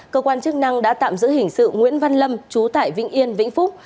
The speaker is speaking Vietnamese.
cơ quan chức năng đã tạm giữ hình sự nguyễn văn lâm chú tại vĩnh yên vĩnh phúc